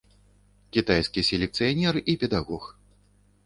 Кітайскі селекцыянер і педагог.